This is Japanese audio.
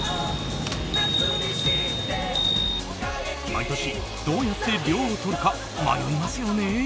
毎年どうやって涼をとるか迷いますよね。